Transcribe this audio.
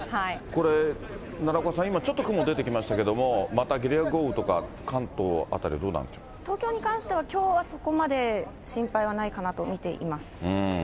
これ、奈良岡さん、今ちょっと雲が出てきましたけれども、またゲリラ豪雨とか、東京に関しては、きょうはそこまで心配はないかなと見ています。